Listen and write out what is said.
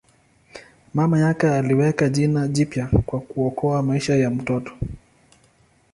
Mama yake aliweka jina jipya kwa kuokoa maisha ya mtoto.